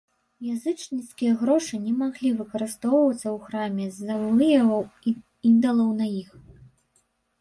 Язычніцкія грошы не маглі выкарыстоўвацца ў храме з-за выяваў ідалаў на іх.